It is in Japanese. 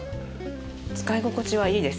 使い心地はいいです。